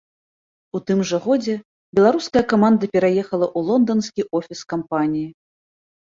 У тым жа годзе беларуская каманда пераехала ў лонданскі офіс кампаніі.